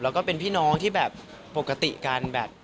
แล้วก็เป็นพี่น้องที่แบบปกติกันแบบ